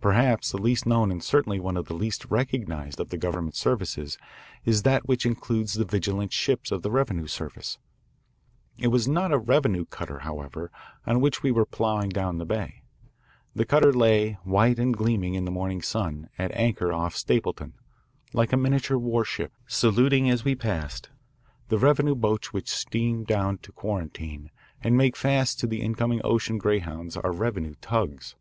Perhaps the least known and certainly one of the least recognised of the government services is that which includes the vigilant ships of the revenue service. It was not a revenue cutter, however, on which we were ploughing down the bay. The cutter lay, white and gleaming in the morning sun, at anchor off Stapleton, like a miniature warship, saluting as we passed. The revenue boats which steam down to Quarantine and make fast to the incoming ocean greyhounds are revenue tugs.